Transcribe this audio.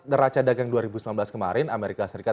neraca dagang dua ribu sembilan belas kemarin amerika serikat